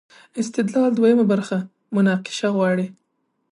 استدلال دویمه برخه مناقشه غواړي.